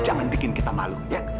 jangan bikin kita malu